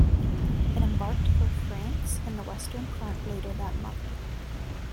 It embarked for France and the Western Front later that month.